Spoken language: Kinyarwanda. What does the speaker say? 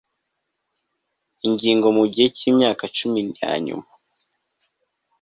ingingo mu gihe cy imyaka cumi ya nyuma